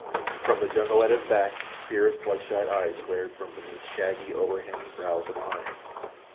From the jungle at his back fierce bloodshot eyes glared from beneath shaggy overhanging brows upon him.